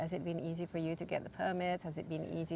apakah mudah untuk anda memiliki permisi